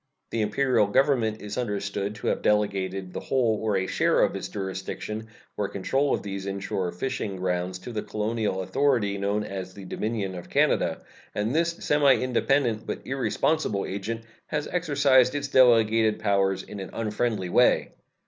The Imperial Government is understood to have delegated the whole or a share of its jurisdiction or control of these inshore fishing grounds to the colonial authority known as the Dominion of Canada, and this semi independent but irresponsible agent has exercised its delegated powers in an unfriendly way.